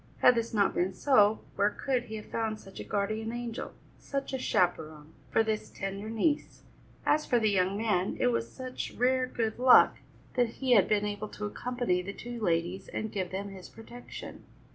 Had this not been so, where could he have found such a guardian angel, such a chaperon, for this tender niece? As for the young man, it was such rare good luck that he had been able to accompany the two ladies and give them his protection.